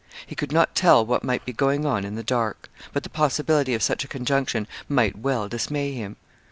He could not tell what might be going on in the dark. But the possibility of such a conjunction might well dismay him.